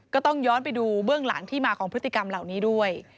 ก็ต้องย้อนไปดูเบื้องหลังที่มาของพฤติกรรมเหล่านี้ด้วย